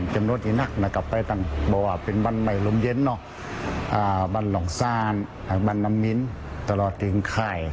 หากบันน้ำมิ้นตลอดกินไข้